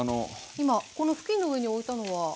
今この布巾の上に置いたのは？